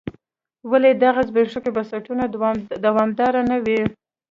ولې دغه زبېښونکي بنسټونه دوامداره نه وي.